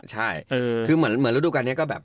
ใช่คือเหมือนฤดูการนี้ก็แบบ